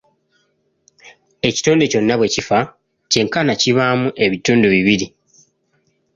Ekitonde kyonna bwe kifa kyenkana kibaamu ebitundu bibiri.